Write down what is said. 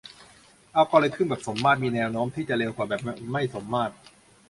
อัลกอริทึมแบบสมมาตรมีแนวโน้มที่จะเร็วกว่าแบบไม่สมมาตร